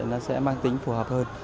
nó sẽ mang tính phù hợp hơn